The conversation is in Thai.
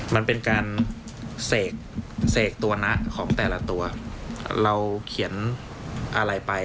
มันเป็นการเสกเสกตัวนะของแต่ละตัวเราเขียนอะไรไป